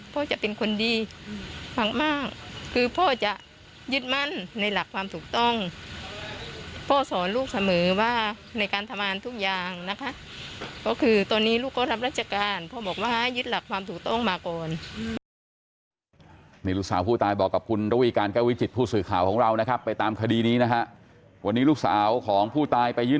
พ่อจะเป็นคนดีมากคือพ่อจะยึดมันในหลักความถูกต้องพ่อสอนลูกเสมอว่าในการทำงานทุกอย่างนะคะก็คือตอนนี้ลูกก็รับรัชการพ่อบอกว่ายึดหลักความถูกต้องมาก่อน